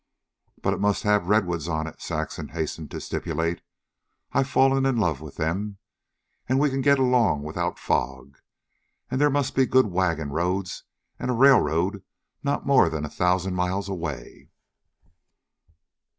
"But it must have redwoods on it," Saxon hastened to stipulate. "I've fallen in love with them. And we can get along without fog. And there must be good wagon roads, and a railroad not more than a thousand miles away."